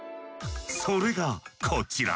それがこちら。